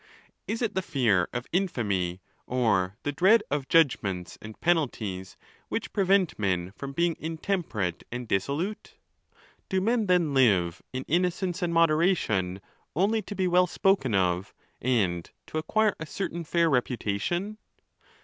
Is it the fear of infamy, or the dread of judgments and penalties, which prevent men from being intemperate and dissolute? Do men then live in innocence and moderation, only to be well spoken of, and to acquire a certain fair reputation?